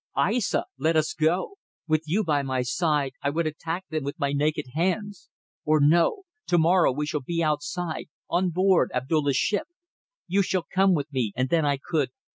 "Aissa, let us go! With you by my side I would attack them with my naked hands. Or no! Tomorrow we shall be outside, on board Abdulla's ship. You shall come with me and then I could